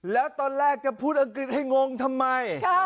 แล้วตอนแรกจะพูดอังกฤษให้งงทำไม